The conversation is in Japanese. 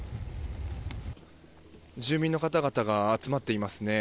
住民の方々が集まっていますね。